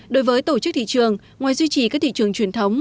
đối với tổ chức thị trường ngoài duy trì các thị trường truyền thống